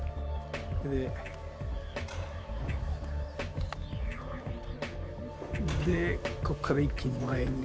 でここから一気に前に。